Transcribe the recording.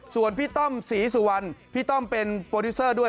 ส่วนพี่ต้อมศรีสุวรรณพี่ต้อมเป็นโปรดิวเซอร์ด้วย